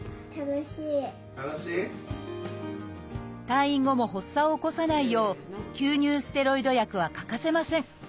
退院後も発作を起こさないよう吸入ステロイド薬は欠かせません。